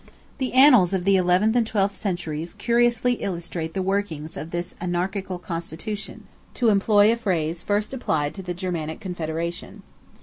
The annals of the eleventh and twelfth centuries curiously illustrate the workings of this "anarchical constitution"—to employ a phrase first applied to the Germanic Confederation.